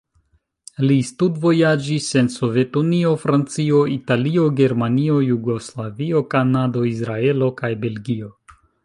Li studvojaĝis en Sovetunio, Francio, Italio, Germanio, Jugoslavio, Kanado, Izraelo kaj Belgio.